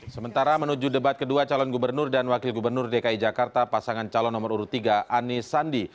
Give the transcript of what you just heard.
sementara menuju debat kedua calon gubernur dan wakil gubernur dki jakarta pasangan calon nomor urut tiga anis sandi